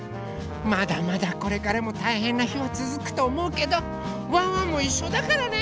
まだまだこれからも大変な日は続くと思うけどワンワンも一緒だからね！